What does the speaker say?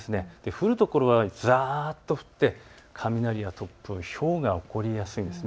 降るところはざっと降って雷や突風、ひょうが起こりやすいんです。